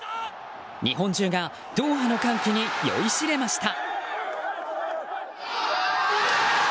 日本中がドーハの歓喜に酔いしれました。